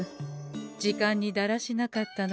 時間にだらしなかったのがう